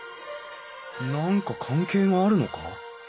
何か関係があるのか？